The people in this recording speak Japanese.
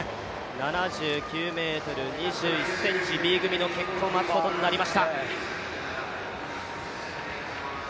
７９ｍ２１ｃｍ、Ｂ組の結果を待つことになりました。